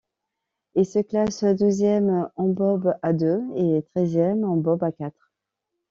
Il se classe douzième en bob à deux et treizième en bob à quatre.